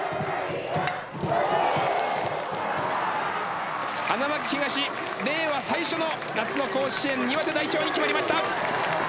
令和最初の夏の甲子園岩手代表に決まりました。